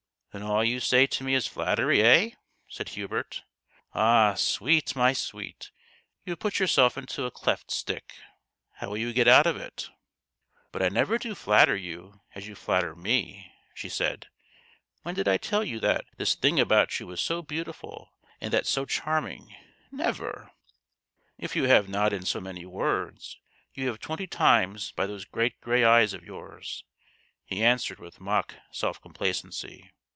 " Then all you say to me is flattery, hey ?" said Hubert. " Ah, sweet, my sweet, you have put yourself into a cleft stick ! How will you get out of it ?"" But I never do flatter you as you flatter me," she said. " When did I tell you that this 156 THE GHOST OF THE PAST. thing about you was so beautiful, and that so charming ? Never !"" If you have not in so many words, you have twenty times by those great grey eyes of yours !" he answered with mock self com placency.